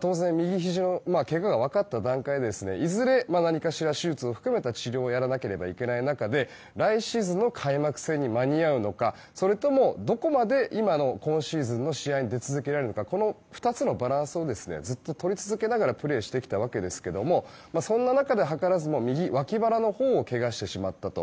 当然右ひじのけがが分かった段階でいずれ何かしら手術を含めた治療をやらなければいけない中で来シーズンの開幕戦に間に合うのか、それともどこまで今シーズンの試合に出続けられるのかこの２つのバランスをずっと取り続けながらプレーしてきたわけですがそんな中で、図らずも右脇腹のほうをけがしてしまったと。